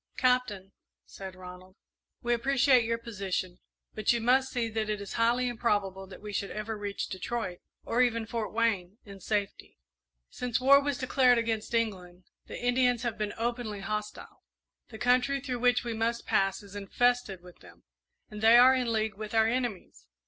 "Captain," said Ronald, "we appreciate your position, but you must see that it is highly improbable that we should ever reach Detroit, or even Fort Wayne, in safety. Since war was declared against England, the Indians have been openly hostile. The country through which we must pass is infested with them, and they are in league with our enemies.